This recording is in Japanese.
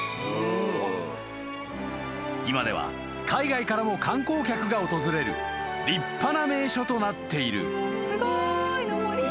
［今では海外からも観光客が訪れる立派な名所となっている］